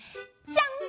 じゃん！